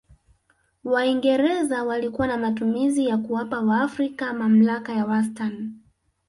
waingereza walikuwa na matumaini ya kuwapa waafrika mamlaka ya wastani